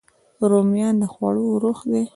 رومیان د خوړو روح دي